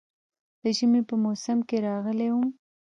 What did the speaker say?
د ژمي په موسم کې راغلی وم.